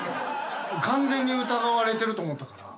完全に疑われてると思ったから。